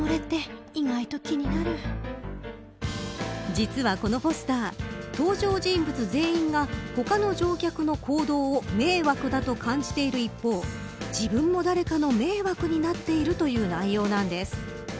実は、このポスター登場人物全員が他の乗客の行動を迷惑だと感じている一方自分も誰かの迷惑になっているという内容なんです。